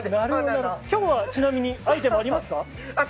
今日は、ちなみにアイテムはありますか？